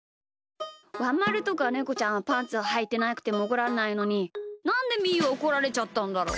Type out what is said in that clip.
ワンまるとかネコちゃんはパンツをはいてなくてもおこられないのになんでみーはおこられちゃったんだろう？